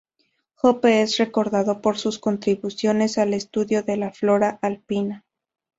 Hoppe es recordado por sus contribuciones al estudio de la flora alpina.